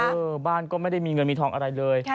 เออบ้านก็ไม่ได้มีเงินมีทองอะไรเลย